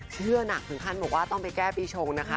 หนักถึงขั้นบอกว่าต้องไปแก้ปีชงนะคะ